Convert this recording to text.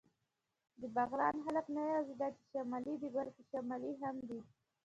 د بغلان خلک نه یواځې دا چې شمالي دي، بلکې شمالي هم دي.